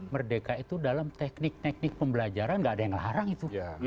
merdeka itu dalam teknik teknik pembelajaran gak ada yang ngelarang itu